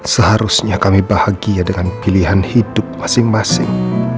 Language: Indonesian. seharusnya kami bahagia dengan pilihan hidup masing masing